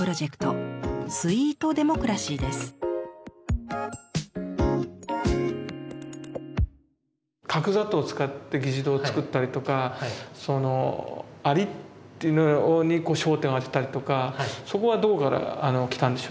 角砂糖を使って議事堂を作ったりとか蟻っていうのにこう焦点を当てたりとかそこはどこから来たんでしょうか？